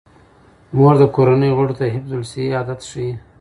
مور د کورنۍ غړو ته د حفظ الصحې عادات ښيي.